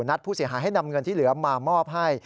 ผู้เสียหายให้นำเงินที่เหลือมามอบให้